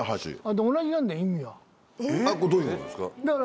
どういうことですか？